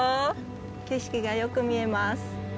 景色がよく見えます。